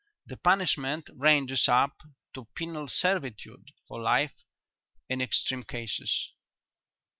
The punishment ranges up to penal servitude for life in extreme cases."